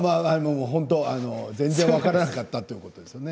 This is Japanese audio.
全然分からなかったということですね。